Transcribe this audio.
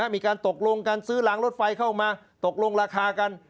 มีการตกลงการซื้อรางรถไฟเข้ามาตกลงราคากัน